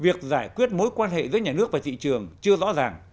việc giải quyết mối quan hệ giữa nhà nước và thị trường chưa rõ ràng